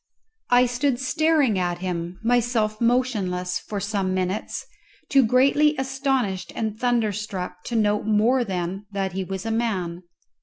I stood staring at him, myself motionless, for some minutes, too greatly astonished and thunder struck to note more than that he was a man.